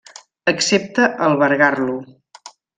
Accepta albergar-lo.